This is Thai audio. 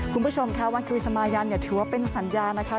คุณผู้ชมค่ะวันคริสมายันถือว่าเป็นสัญญานะคะ